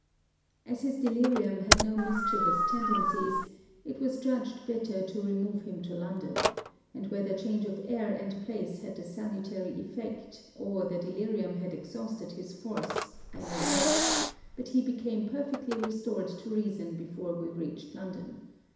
As his delirium had no mischievous tendencies, it was judged better to remove him to London; and whether change of air and place had the salutary effect, or the delirium had exhausted its force I know not, but he became perfectly restored to reason before we reached London.